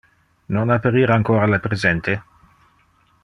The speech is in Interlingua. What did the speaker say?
Non aperir ancora le presente.